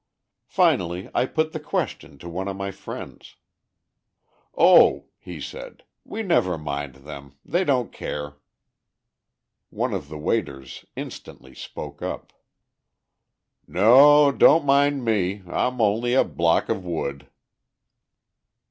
Finally, I put the question to one of my friends: "Oh," he said, "we never mind them; they don't care." One of the waiters instantly spoke up: "No, don't mind me; I'm only a block of wood."